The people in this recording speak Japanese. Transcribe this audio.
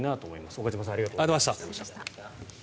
岡島さんありがとうございました。